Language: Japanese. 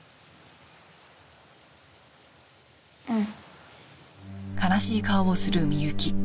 うん。